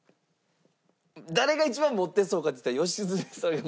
誰が一番持ってそうかっていったら。